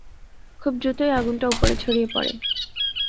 খুব দ্রুতই আগুনটা উপরে ছড়িয়ে পড়ে!